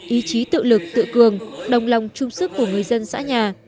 ý chí tự lực tự cường đồng lòng trung sức của người dân xã nhà